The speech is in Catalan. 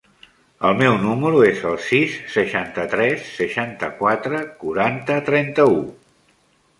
El meu número es el sis, seixanta-tres, seixanta-quatre, quaranta, trenta-u.